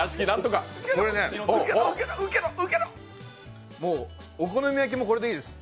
もうこれね、お好み焼きもこれでいいです。